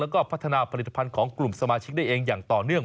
แล้วก็พัฒนาผลิตภัณฑ์ของกลุ่มสมาชิกได้เองอย่างต่อเนื่อง